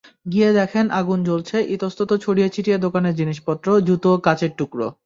গিয়ে দেখেন আগুন জ্বলছে, ইতস্তত ছড়িয়ে ছিটিয়ে দোকানের জিনিসপত্র, জুতো, কাঁচের টুকরো।